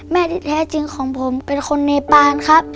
แม่ที่แท้จริงของผมเป็นคนเนปานครับ